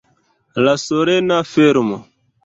La solena fermo.